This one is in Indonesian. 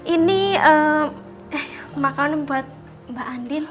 ini eh makanan buat mbak andi